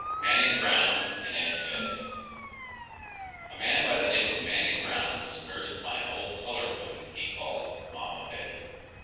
MANNING BROWN AND AUNT BETTY. A man by the name of Manning Brown was nursed by an old colored woman he called mamma Betty.